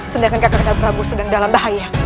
sedangkan kandap prabu sedang dalam bahaya